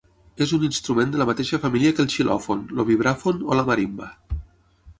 És un instrument de la mateixa família que el xilòfon, el vibràfon o la marimba.